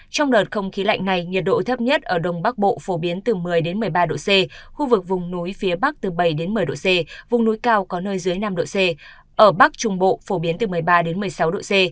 trong đợt không khí lạnh này nhiệt độ thấp nhất ở đông bắc bộ phổ biến từ một mươi một mươi ba độ c khu vực vùng núi phía bắc từ bảy một mươi độ c vùng núi cao có nơi dưới năm độ c ở bắc trung bộ phổ biến từ một mươi ba một mươi sáu độ c